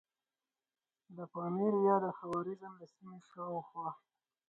د پامیر یا د خوارزم د سیمې شاوخوا.